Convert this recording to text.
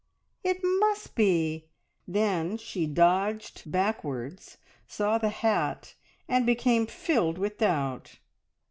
It must be!" Then she dodged backwards, saw the hat, and became filled with doubt.